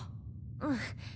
うん。